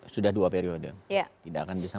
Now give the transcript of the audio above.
sudah dua periode tidak akan bisa